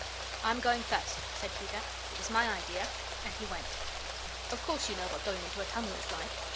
"I'm going first," said Peter; "it was my idea," and he went. Of course you know what going into a tunnel is like?